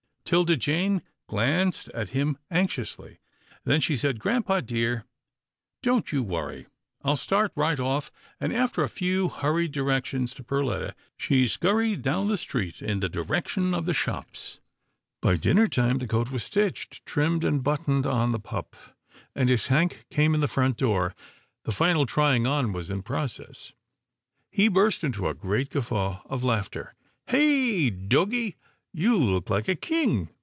'Tilda Jane glanced at him anxiously, then she said, " Grampa dear, don't you worry — I'll start 132 'TILDA JANE'S ORPHANS right off," and, after a few hurried directions to Perletta, she scurried down the street in the direc tion of the shops. By dinner time the coat was stitched, trimmed and buttoned on the pup, and, as Hank came in the front door, the final trying on was in process. He burst into a great guffaw of laughter, " Hey, doggie, you look like a king."